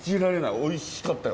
おいしかったよ。